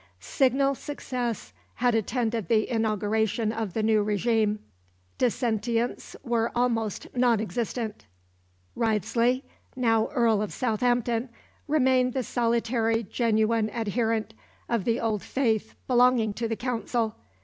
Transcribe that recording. Signal success had attended the inauguration of the new régime. Dissentients were almost nonexistent. Wriothesley, now Earl of Southampton, remained the solitary genuine adherent of the old faith belonging to the Council.